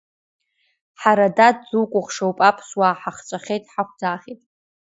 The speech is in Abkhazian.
Ҳара, дад дукәыхшоуп, аԥсуаа ҳахҵәахьеит, ҳақәӡаахьеит.